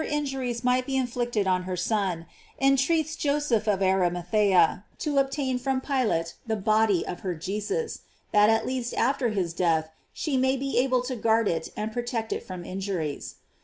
581 injuries might be inflicted on her Son, entreats Joseph of Arimathea to obtain from Pilate the body of her Jesus, that at least after his death she may be able to guard it and protect it from injuries.